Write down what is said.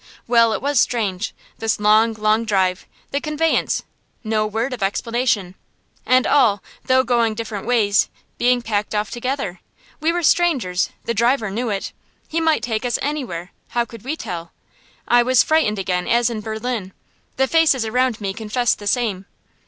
Well, it was strange this long, long drive, the conveyance, no word of explanation; and all, though going different ways, being packed off together. We were strangers; the driver knew it. He might take us anywhere how could we tell? I was frightened again as in Berlin. The faces around me confessed the same.